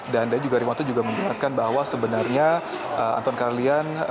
dan tadi juga reinhardt juga menjelaskan bahwa sebenarnya anton karlian